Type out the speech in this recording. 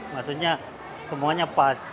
maksudnya semuanya pas